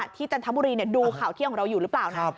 จันทบุรีดูข่าวเที่ยงของเราอยู่หรือเปล่านะ